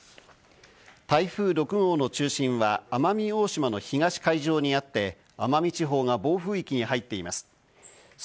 台風６号の中心は奄美大島の東海上にあって、奄美地方が暴風域に入っています。